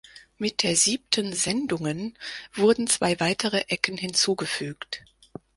Mit der siebten Sendungen wurden zwei weitere Ecken hinzugefügt.